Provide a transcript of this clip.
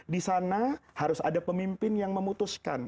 di sana harus ada pemimpin yang memutuskan